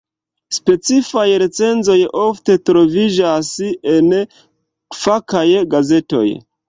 Specifaj recenzoj ofte troviĝas en fakaj gazetoj.